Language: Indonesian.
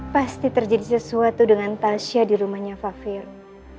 pasti terjadi sesuatu dengan tasya di rumahnya fafiru